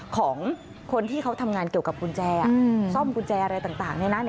ของคนที่เขาทำงานเกี่ยวกับกุญแจซ่อมกุญแจอะไรต่าง